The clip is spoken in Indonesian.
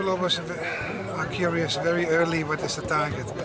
orang orang selalu penasaran sangat awal apa targetnya